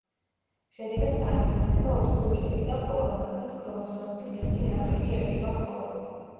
შედეგად წარმოიქმნება ოთხი უჯრედი და ყოველ მათგანს ქრომოსომების ერთი ნაკრები ერგება მხოლოდ.